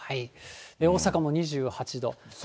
大阪も２８度。